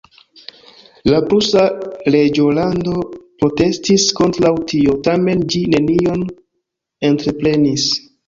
La prusa reĝolando protestis kontraŭ tio, tamen ĝi nenion entreprenis.